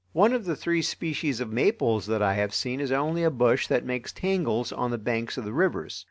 One of the three species of maples that I have seen is only a bush that makes tangles on the banks of the rivers.